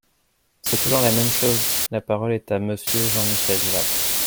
C’est toujours la même chose ! La parole est à Monsieur Jean-Michel Jacques.